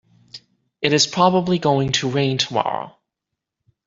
It is probably going to rain tomorrow.